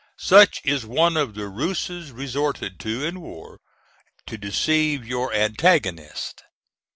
Such is one of the ruses resorted to in war to deceive your antagonist.